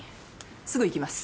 すぐ行きます。